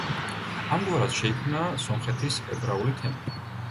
ამგვარად, შეიქმნა სომხეთის ებრაული თემი.